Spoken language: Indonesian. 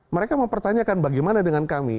mereka mempertanyakan bagaimana dengan kami